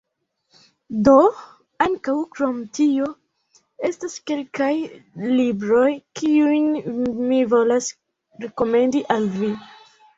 Do, ankaŭ, krom tio, estas kelkaj libroj, kiujn mi volas rekomendi al vi: